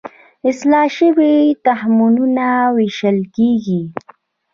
اصلاح شوي تخمونه ویشل کیږي.